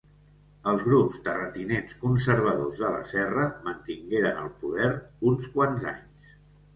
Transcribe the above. Els grups terratinents conservadors de la serra mantingueren el poder uns quants anys.